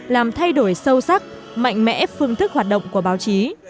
làm thay đổi sâu sắc mạnh mẽ phương thức hoạt động của báo chí